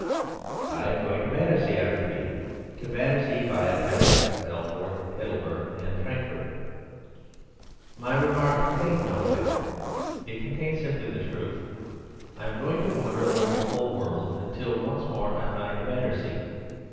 "I am going to Battersea," I repeated, "to Battersea viâ Paris, Belfort, Heidelberg, and Frankfort. My remark contained no wit. It contained simply the truth. I am going to wander over the whole world until once more I find Battersea.